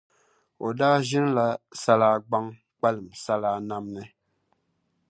O daa ʒini la Salaagbaŋ kpalim Salaa Namni.